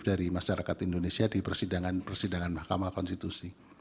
dari masyarakat indonesia di persidangan persidangan mahkamah konstitusi